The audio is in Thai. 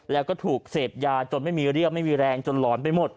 แล้วก็ถูกเสพยาจนไม่มีเรียบไม่มีแรงจนหลอนไปหมด